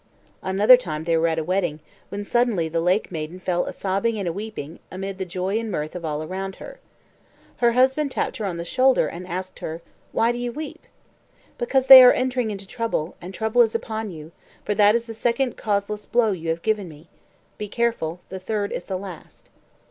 Another time they were at a wedding, when suddenly the lake maiden fell a sobbing and a weeping, amid the joy and mirth of all around her. Her husband tapped her on the shoulder, and asked her, "Why do you weep?" "Because they are entering into trouble; and trouble is upon you; for that is the second causeless blow you have given me. Be careful; the third is the last."